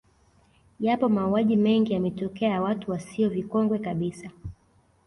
Yapo mauaji mengi yametokea ya watu wasio vikongwe kabisa